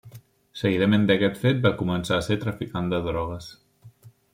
Seguidament d'aquest fet va començar a ser traficant de drogues.